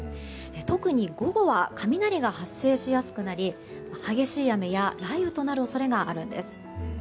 特に午後は雷が発生しやすくなり激しい雨や雷雨となる恐れがあるんです。